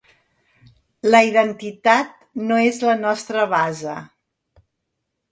La identitat no és la nostra base.